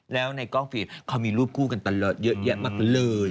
แล้วในกล้องฟิล์เขามีรูปคู่กันตลอดเยอะแยะมากเลย